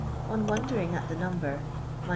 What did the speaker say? On wondering at the number, m J.